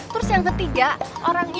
terus yang ketiga orangnya